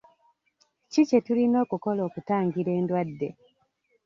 Ki kye tulina okukola okutangira endwadde?